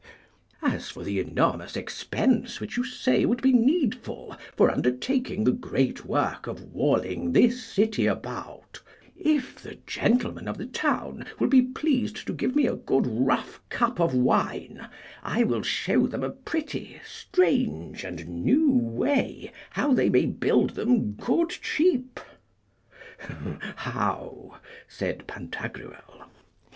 As for the enormous expense which you say would be needful for undertaking the great work of walling this city about, if the gentlemen of the town will be pleased to give me a good rough cup of wine, I will show them a pretty, strange, and new way, how they may build them good cheap. How? said Pantagruel.